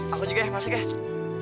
aku juga ya masuk ya